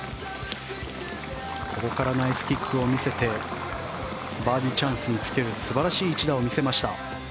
ここからナイスキックを見せてバーディーチャンスにつける素晴らしい一打を見せました。